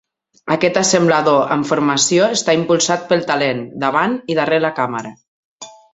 Aquest assemblador amb formació està impulsat pel talent, davant i darrere la càmera.